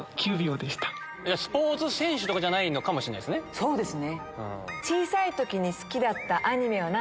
そうですね。